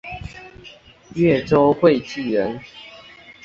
越州会稽人。